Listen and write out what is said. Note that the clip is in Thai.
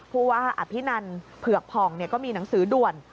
ผู้ว่าอภินันเผือกผ่องก็มีหนังสือด่วน